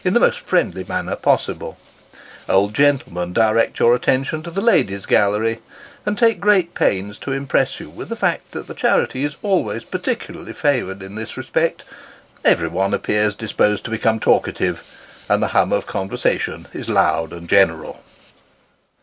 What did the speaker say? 123 the most friendly manner possible old gentlemen direct your attention to the ladies' gallery, and take great pains to impress you with the fact that the charity is always peculiarly favoured in this respect everyone appears disposed to become talkative and the hum of con versation is loud and general.